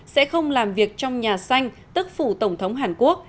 sẽ không làm việc trong nhà xanh tức phủ tổng thống hàn quốc